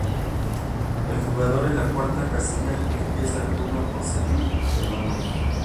El jugador en la cuarta casilla empieza el turno por servir el balón.